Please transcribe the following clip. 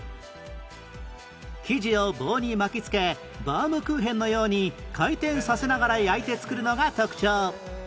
生地を棒に巻きつけバウムクーヘンのように回転させながら焼いて作るのが特徴